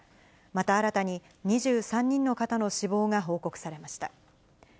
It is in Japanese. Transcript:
また新たに２３人の方の死亡が報告されました。